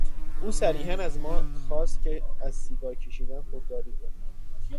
او صریحا از ما خواست که از سیگار کشیدن خودداری کنیم.